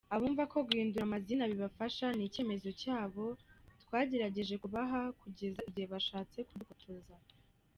Abumva ko guhindura amazina bibafasha ni icyemezo cyabo twagerageje kubaha, kugeza igihe bashatse kudutokoza.